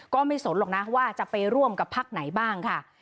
ไม่สนหรอกนะว่าจะไปร่วมกับพักไหนบ้างค่ะ